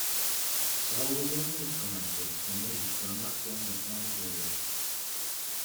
Solar wind parameters were measured for a much longer time period.